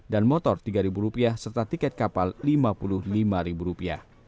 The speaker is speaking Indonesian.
dan motor rp tiga serta tiket kapal rp lima puluh lima